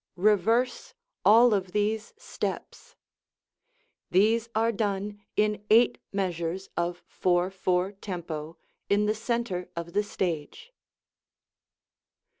Reverse all of these steps. These are done in eight measures of 4/4 tempo in the centre of the stage.